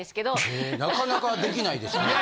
へなかなかできないですね。